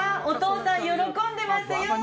お父さん、喜んでますよ！